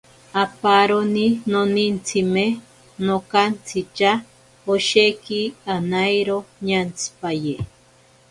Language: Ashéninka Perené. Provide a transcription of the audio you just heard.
Aparoni nonintsime nokantshitya, osheki anairo ñantsipaye.